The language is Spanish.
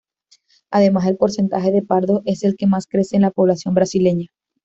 Además, el porcentaje de pardos es el que más crece en la población brasileña.